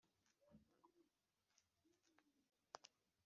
sindi jyenyine kuko Data ari kumwe nanjye